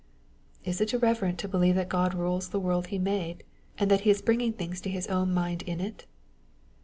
"Is it irreverent to believe that God rules the world he made, and that he is bringing things to his own mind in it?"